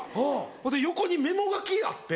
ほいで横にメモ書きあって。